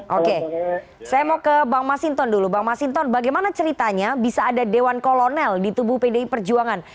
oke saya mau ke bang masinton dulu bang masinton bagaimana ceritanya bisa ada dewan kolonel di tubuh pdi perjuangan